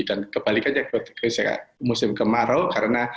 dan kebalikannya buat musim kemarau karena